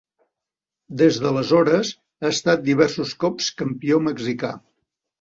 Des d'aleshores ha estat diversos cops campió mexicà.